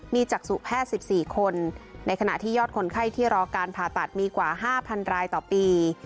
มีจักษุแพทย์๑๔คนในขณะที่ยอดคนไข้ที่รอการผ่าตัดมีกว่า๕๐๐รายต่อปี